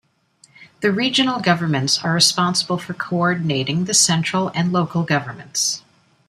The regional governments are responsible for coordinating the central and local governments.